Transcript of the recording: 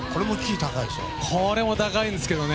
これも高いですけどね